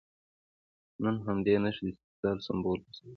نن همدې نښې د استقلال سمبول ګرځېدلي.